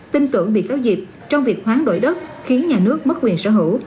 tin tưởng bị cáo diệp trong việc hoán đổi đất khiến nhà nước mất quyền sở hữu